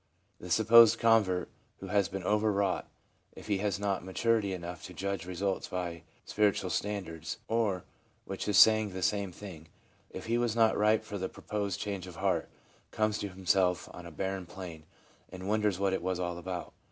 The sup posed convert, who has been overwrought, if he has not maturity enough to judge results by spiritual standards, or, which is saying the same thing, if he was not ripe for the proposed change of heart, comes to himself on a barren plain, and wonders what it was all about.